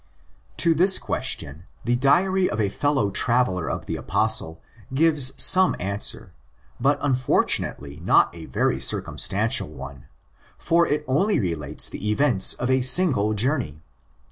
To this question the diary of a fellow traveller of the Apostle gives some answer, but unfortunately not ἃ very circumstantial one; for it only relates the events of a single journey.